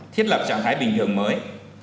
thiết lập trạng thái bình thường mới